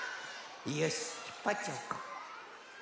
よしひっぱっちゃおうか。